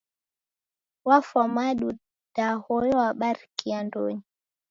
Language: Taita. Wafwa madu da hoyo wabarikia ndonyi.